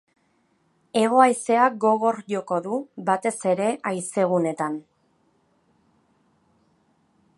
Hego-haizeak gogor joko du, batez erehaizeguneetan.